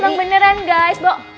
emang beneran guys